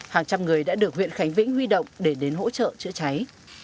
hàng trăm người đã được huyện khánh vĩnh huy động để đến hỗ trợ chữa cháy